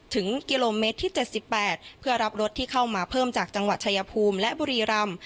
ถึงกิโลเมตรที่๗๘เพื่อรับรถที่เข้ามาเพิ่มจากจังหวัดชายภูมิและบุรีรำ